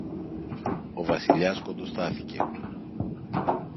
Ο Βασιλιάς κοντοστάθηκε.